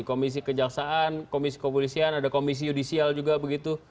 komisi kejaksaan komisi kepolisian ada komisi yudisial juga begitu